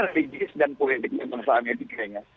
religis dan politiknya bangsa amerika ya